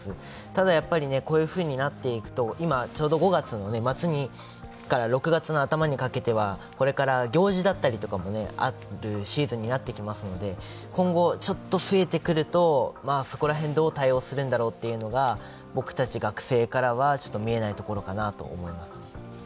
ただ、こういうふうになっていくと今、ちょうど５月末から６月頭にかけてはこれから行事だったりとかもあるシーズンになってきますので今後、ちょっと増えてくるとそこら辺、どう対応するんだろうというのが僕たち学生からは見えないところかなと思います。